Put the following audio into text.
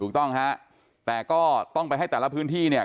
ถูกต้องฮะแต่ก็ต้องไปให้แต่ละพื้นที่เนี่ย